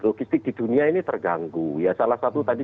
logistik di dunia ini terganggu ya salah satu tadi